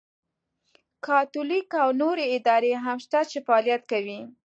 کاتولیک او نورې ادارې هم شته چې فعالیت کوي.